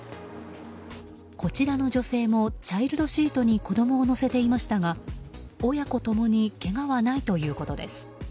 こちらの女性もチャイルドシートに子供を乗せていましたが親子ともにけがはないということです。